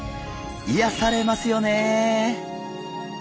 いやされますよね。